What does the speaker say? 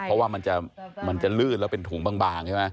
เพราะว่ามันจะลื่นแล้วเป็นถุงบางใช่ไหม